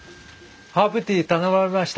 ハーブティー頼まれました？